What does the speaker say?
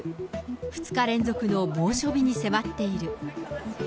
２日連続の猛暑日に迫っている。